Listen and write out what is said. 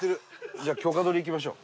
じゃあ許可取り行きましょう。